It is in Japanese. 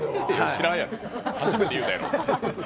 知らんやろ、初めて言うたやろ。